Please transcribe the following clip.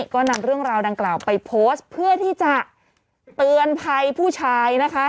ก็นำเรื่องราวดังกล่าวไปโพสต์เพื่อที่จะเตือนภัยผู้ชายนะคะ